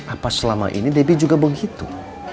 apa selama ini debbie juga menghitung